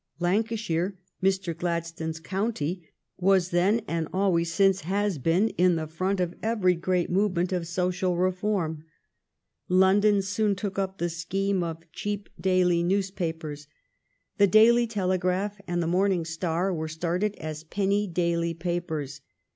Lancashire, Mr. Gladstone's county, was then and always since has been in the front of every great movement of social reform. London soon took up the scheme of cheap daily news THE REPEAL OF THE TAXES ON EDUCATION 223 papers. The " Daily Telegraph " and the " Morn ing Star " were started as penny daily papers.